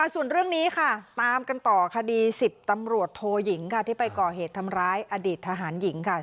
ส่วนเรื่องนี้ค่ะตามกันต่อคดี๑๐ตำรวจโทยิงค่ะที่ไปก่อเหตุทำร้ายอดีตทหารหญิงค่ะ